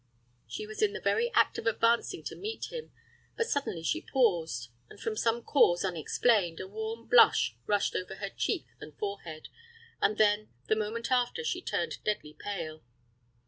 She was in the very act of advancing to meet him; but suddenly she paused, and from some cause, unexplained, a warm blush rushed over her cheek and forehead, and then, the moment after, she turned deadly pale.